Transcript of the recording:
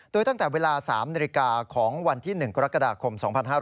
โดยตั้งแต่เวลา๓นาฬิกาของวันที่๑กรกฎาคม๒๕๕๙